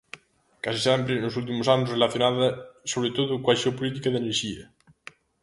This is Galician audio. Case sempre, nos últimos anos, relacionada sobre todo coa xeopolítica da enerxía.